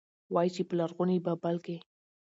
وايي، چې په لرغوني بابل کې